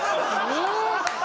えっ！